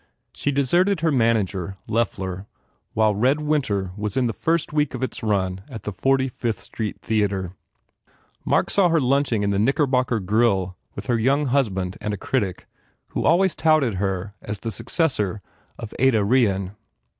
She deserted her manager, Loeffler, while "Red Winter" was in the first week of its run at the 45th Street Theatre. Mark saw her lunching in the Knickerbocker grill with her young husband and a critic who always touted her as the successor of Ada Rehan.